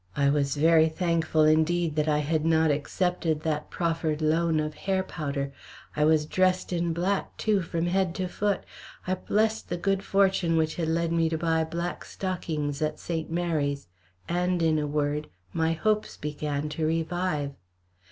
I was very thankful indeed that I had not accepted that proffered loan of hair powder I was dressed in black, too, from head to foot; I blessed the good fortune which had led me to buy black stockings at St. Mary's, and, in a word, my hopes began to revive.